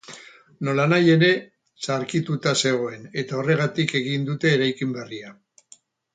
Nolanahi ere, zaharkituta zegoen, eta horregatik egin dute eraikin berria.